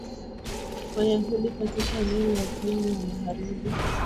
ya wayahudi katika eneo la ukingo wa magharibi